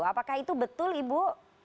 apakah itu betul ibu